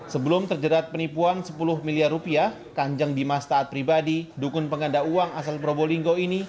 sebelum terjerat penipuan sepuluh miliar rupiah kanjeng dimas taat pribadi dukun pengganda uang asal probolinggo ini